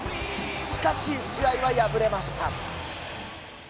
しかし、試合は敗れました。